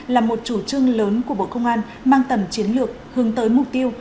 là một chủ trương lớn của bộ công an mang tầm chiến lược hướng tới mục tiêu